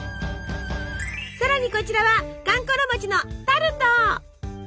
さらにこちらはかんころ餅のタルト。